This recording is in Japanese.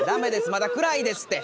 まだ暗いですって！